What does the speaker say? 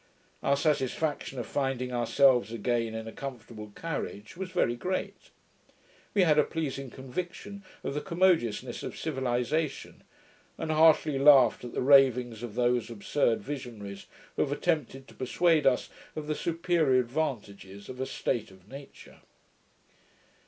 Our satisfaction of finding ourselves again in a comfortable carriage was very great. We had a pleasing conviction of the commodiousness of civilization, and heartily laughed at the ravings of those absurd visionaries who have attempted to persuade us of the superior advantages of a state of nature.